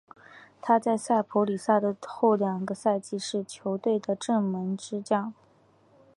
他在萨普里萨的后两个赛季是球队的正选门将。